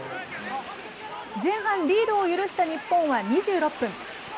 前半、リードを許した日本は２６分。